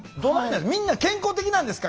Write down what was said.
みんな健康的なんですか？